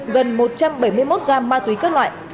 gần một trăm bảy mươi một gam ma túy các loại